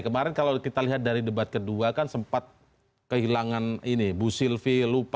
kemarin kalau kita lihat dari debat kedua kan sempat kehilangan ini bu sylvi lupa